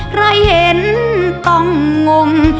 ใครเห็นต้องงม